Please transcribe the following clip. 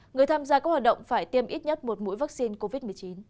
người tham gia các hoạt động phải tiêm ít nhất một mũi vaccine covid một mươi chín